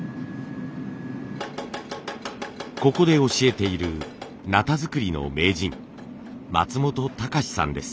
ここで教えている鉈作りの名人松本孝さんです。